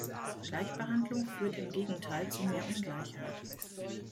Gleichbehandlung führt im Gegenteil zu mehr Ungleichheit.